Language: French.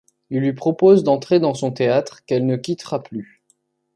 Il lui propose d'entrer dans son théâtre, qu'elle ne quittera plus.